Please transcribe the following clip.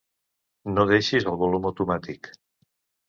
No deixis el volum automàtic.